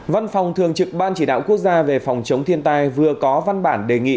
văn phòng thường trực ban chỉ đạo quốc gia về phòng chống thiên tai vừa có văn bản đề nghị